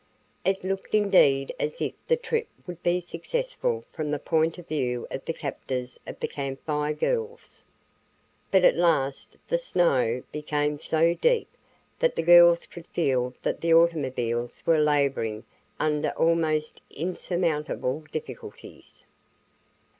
It looked indeed as if the trip would be successful from the point of view of the captors of the Camp Fire Girls. But at last the snow became so deep that the girls could feel that the automobiles were laboring under almost insurmountable difficulties.